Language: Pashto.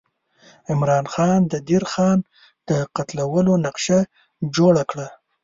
عمرا خان د دیر خان د قتلولو نقشه جوړه کړه.